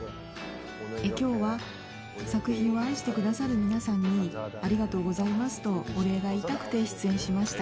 きょうは、作品を愛してくださる皆さんに、ありがとうございますとお礼が言いたくて出演しました。